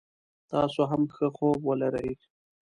تاسو هم ښه خوب ولری